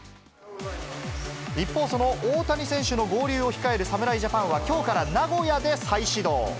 一方、その大谷選手の合流を控える侍ジャパンは、きょうから名古屋で再始動。